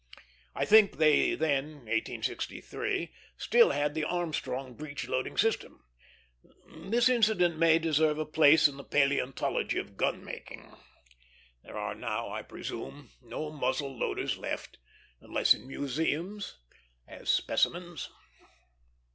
I think they then (1863) still had the Armstrong breech loading system. This incident may deserve a place in the palæontology of gun making. There are now, I presume, no muzzle loaders left; unless in museums, as specimens.